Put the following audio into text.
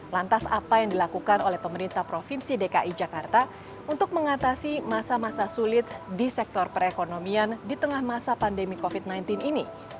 lantas apa yang dilakukan oleh pemerintah provinsi dki jakarta untuk mengatasi masa masa sulit di sektor perekonomian di tengah masa pandemi covid sembilan belas ini